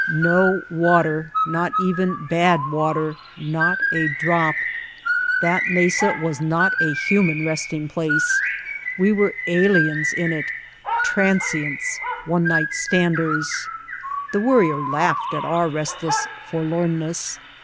No water, not even bad water, not a drop! That mesa was not a human resting place; we were aliens in it, tran sients, one night standers. The Worrier laughed at our restless forlornness.